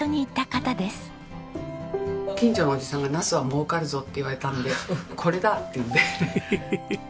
近所のおじさんが「ナスは儲かるぞ」って言われたんで「これだ！」っていうんで。